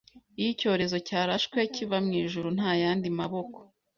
Iyo icyorezo cyarashwe kiva mwijuru ntayandi maboko